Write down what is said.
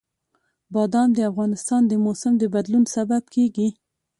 بادام د افغانستان د موسم د بدلون سبب کېږي.